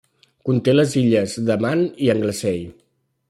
Conté les illes de Man i Anglesey.